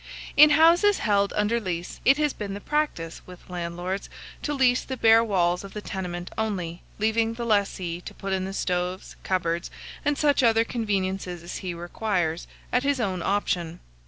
In houses held under lease, it has been the practice with landlords to lease the bare walls of the tenement only, leaving the lessee to put in the stoves, cupboards, and such other conveniences as he requires, at his own option.